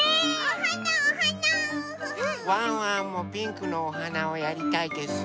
ワンワンもピンクのおはなをやりたいです。